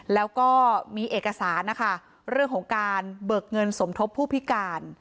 แล้วก็มีเอกสารนะคะเรื่องของการเบิกเงินสมทบผู้พิการ